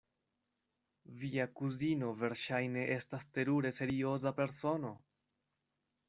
Via kuzino verŝajne estas terure serioza persono!